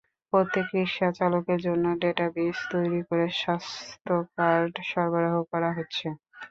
প্রত্যেক রিকশাচালকের জন্য ডেটাবেইস তৈরি করে স্বাস্থ্য কার্ড সরবরাহ করা হচ্ছে।